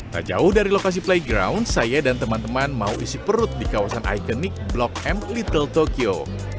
tak jauh dari lokasi playground saya dan teman teman mau isi perut di kawasan ikonik blok m little tokyo